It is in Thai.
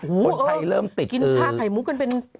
คนไทยเริ่มติดกินชาไข่มุกกันเป็น